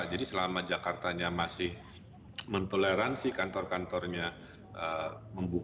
jadi selama jakartanya masih mentoleransi kantor kantornya membuka